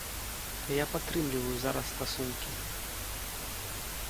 Але я падтрымліваю зараз стасункі.